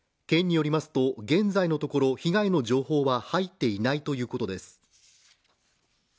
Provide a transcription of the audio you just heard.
県によりますと、現在のところ被害の情報は入っていないということです。